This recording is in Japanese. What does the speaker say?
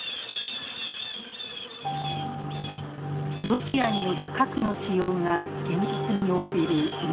ロシアによる核の使用が現実味を帯びる今。